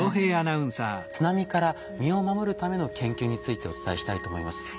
津波から身を守るための研究についてお伝えしたいと思います。